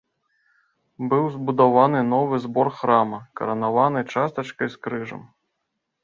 Быў збудаваны новы збор храма, каранаваны частачкай з крыжам.